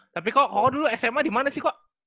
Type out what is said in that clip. tapi kok dulu sma di mana sih kok